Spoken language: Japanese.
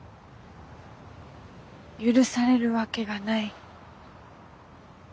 許されるわけがない。